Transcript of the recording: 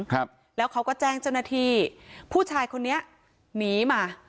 ครับแล้วเขาก็แจ้งเจ้าหน้าที่ผู้ชายคนนี้หนีมา